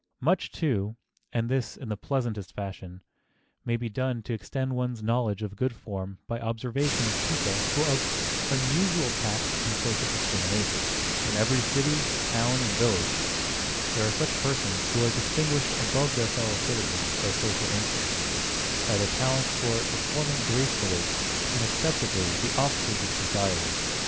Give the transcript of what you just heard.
[Sidenote: LEARN BY OBSERVATION] Much, too, and this in the pleasantest fashion, may be done to extend one's knowledge of good form by observation of people who have unusual tact and social discrimination. In every city, town and village, there are such persons who are distinguished above their fellow citizens by social instinct, by the talent for performing gracefully and acceptably the offices of society.